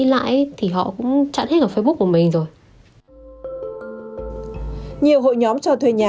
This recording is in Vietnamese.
nhiều hội nhóm cho thuê nhà